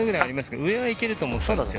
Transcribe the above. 上はいけると思います。